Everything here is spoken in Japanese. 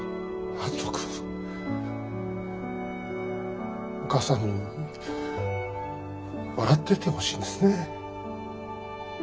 篤人君お母さんに笑っててほしいんですね。